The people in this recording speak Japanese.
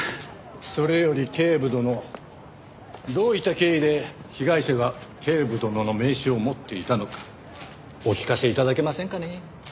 それより警部殿どういった経緯で被害者が警部殿の名刺を持っていたのかお聞かせ頂けませんかね？